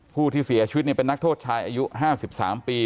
ผู้ที่เสียชีวิตเป็นนักโทษชายอายุ๕๓ปี